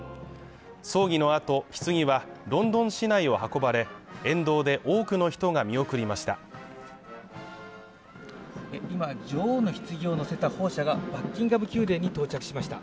葬儀のあとひつぎはロンドン市内を運ばれ沿道で多くの人が見送りました